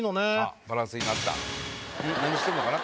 何してんのかな？